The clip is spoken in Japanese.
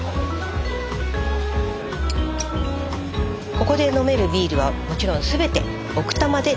ここで飲めるビールはもちろん全て奥多摩で醸造したもの。